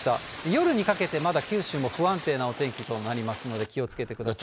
夜にかけてまだ九州も不安定なお天気となりますので、気をつけてください。